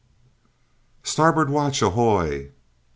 "Starboard watch, ahoy!"